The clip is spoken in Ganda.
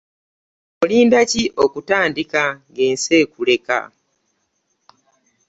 Olinda ki okutandika ng'ensi ekuleka?